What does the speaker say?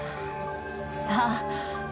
さあ。